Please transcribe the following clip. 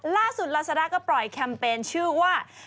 ล่าสุดลาซาด้าก็ปล่อยแคมเปญชื่อว่า